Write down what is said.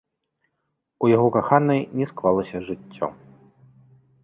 У яго каханай не склалася жыццё.